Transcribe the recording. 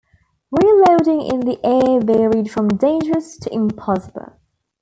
Reloading in the air varied from dangerous to impossible.